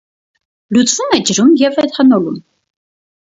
Լուծվում է ջրում և էթանոլում։